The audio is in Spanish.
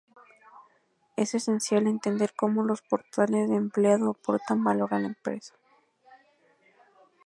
Es esencial entender como los portales de empleado aportan valor a la empresa.